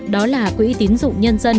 đó là quỹ tiến dụng nhân dân